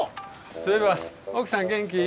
そういえば奥さん元気？